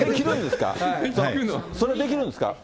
それ、できるんですか？